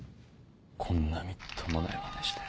こんなみっともないまねして。